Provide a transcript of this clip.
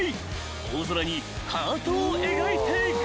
［大空にハートを描いていく］